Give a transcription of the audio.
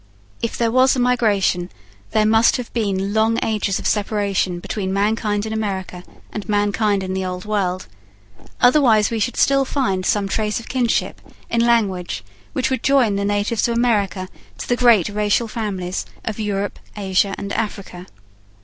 If there was a migration, there must have been long ages of separation between mankind in America and mankind in the Old World; otherwise we should still find some trace of kinship in language which would join the natives of America to the great racial families of Europe, Asia, and Africa.